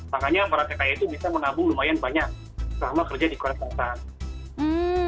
makanya para tki itu bisa menabung lumayan banyak selama kerja di korea selatan